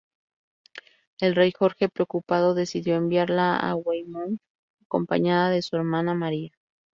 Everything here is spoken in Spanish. El rey Jorge, preocupado, decidió enviarla a Weymouth acompañada de su hermana María.